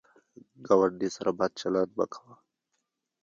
ګاونډي سره بد چلند مه کوه